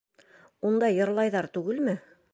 Унда йырлайҙар түгелме?